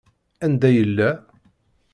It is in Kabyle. Anda yella?